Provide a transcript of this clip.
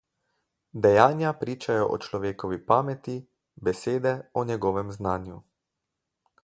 Dejanja pričajo o človekovi pameti, besede o njegovem znanju.